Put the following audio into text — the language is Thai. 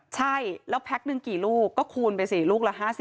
ใช่แล้วแพ็คหนึ่งกี่ลูกก็คูณไปสิลูกละ๕๐